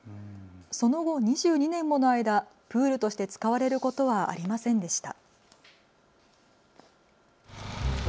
その後、２２年もの間、プールとして使われることはありませんでした。